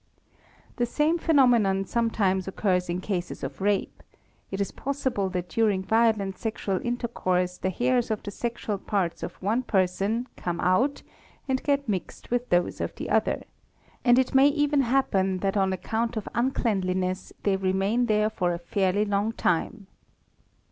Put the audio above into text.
; The same phenomenon sometimes occurs in cases of rape; it 1s pos sible that during violent sexual intercourse the hairs of the sexual parts of one person come out and get mixed with those of the other ; andit may / even happen that on account of uncleanliness they remain there for a fairly long time.